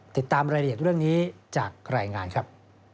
ติดตามรายละเอียดเรื่องนี้จากรายงานครับ